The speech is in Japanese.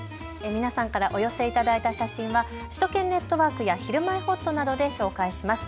皆さんからお寄せいただいた写真は首都圏ネットワークやひるまえほっとなどで紹介します。